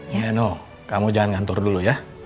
iya no kamu jangan ngantor dulu ya